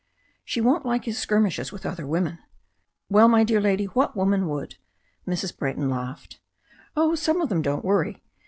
"She won't like his skirmishes with other women." "Well, my dear lady, what woman would?" Mrs. Brayton laughed. "Oh, some of them don't worry.